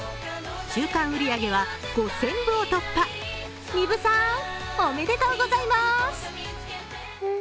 週間売り上げは５０００部を突破、丹生さん、おめでとうございます。